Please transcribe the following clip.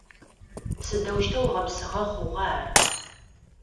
Сыдэущтэу гъэпсыгъэ хъугъа ар?